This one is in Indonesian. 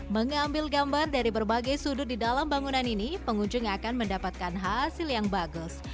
mengambil gambar dari berbagai sudut di dalam bangunan ini pengunjung akan mendapatkan hasil yang bagus